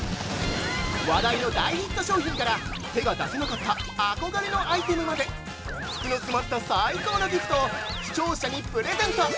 ◆話題の大ヒット商品から、手が出せなかった憧れのアイテムまで、副の詰まった最高のギフトを、視聴者にプレゼント。